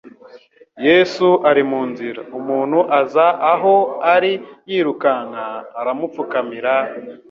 Yesu ari mu nzira, umuntu aza aho ari yirukanka, aramupfukamira,